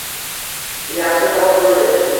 Yaxshi savol boʻldi.